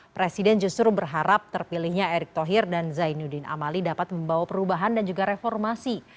presiden justru berharap terpilihnya erick thohir dan zainuddin amali dapat membawa perubahan dan juga reformasi